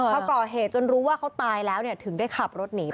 พอก่อเหตุจนรู้ว่าเขาตายแล้วถึงได้ขับรถหนีไป